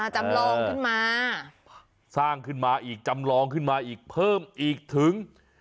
จำลองขึ้นมาสร้างขึ้นมาอีกจำลองขึ้นมาอีกเพิ่มอีกถึง